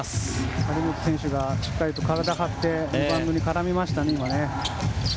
張本選手がしっかりと体を張ってリバウンドに絡みましたね。